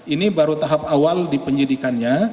ini baru tahap awal di penyidikannya